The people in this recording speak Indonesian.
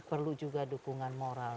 perlu juga dukungan moral